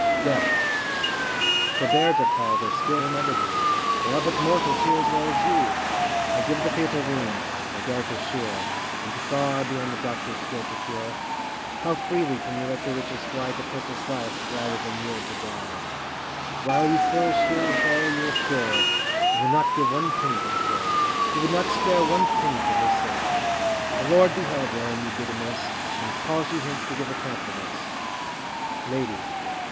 DEATH. Forbear to call, their skill will never do, They are but mortals here as well as you: I give the fatal wound, my dart is sure, And far beyond the doctor's skill to cure. How freely can you let your riches fly To purchase life, rather than yield to die! But while you flourish here with all your store, You will not give one penny to the poor; Though in God's name their suit to you they make, You would not spare one penny for His sake! The Lord beheld wherein you did amiss, And calls you hence to give account for this! LADY.